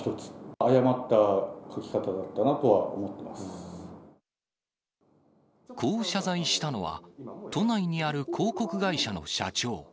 誤った書き方だったなとは思ってこう謝罪したのは、都内にある広告会社の社長。